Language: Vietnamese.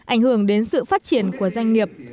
ảnh hưởng đến sự phát triển của doanh nghiệp